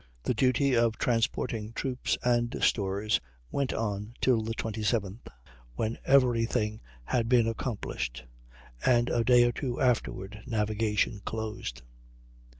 The duty of transporting troops and stores went on till the 27th, when every thing had been accomplished; and a day or two afterward navigation closed.